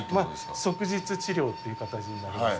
即日治療という形になります。